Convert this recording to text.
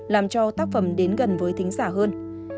làm cho tác phẩm đến gần với thính giả hơn